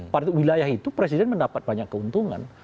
pada wilayah itu presiden mendapat banyak keuntungan